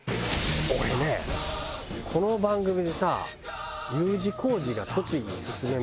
俺ねこの番組でさＵ字工事が栃木薦めまくるしさ。